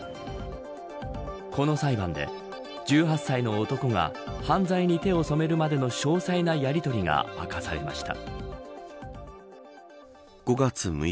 この裁判で１８歳の男が犯罪に手を染めるまでの詳細なやりとりが明かされました。